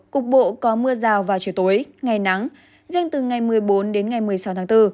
cục bộ có mưa rào vào chiều tối ngày nắng riêng từ ngày một mươi bốn đến ngày một mươi sáu tháng bốn